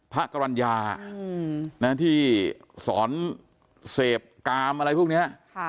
พระกรรณญาที่สอนเสพกามอะไรพวกนี้